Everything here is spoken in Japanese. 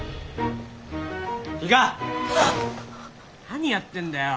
何やってんだよ。